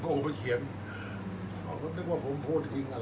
อันไหนที่มันไม่จริงแล้วอาจารย์อยากพูด